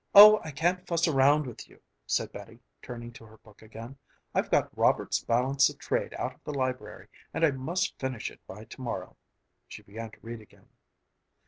"Oh, I can't fuss around with you," said Betty, turning to her book again. "I've got Roberts' Balance of Trade out of the library and I must finish it by tomorrow." She began to read again.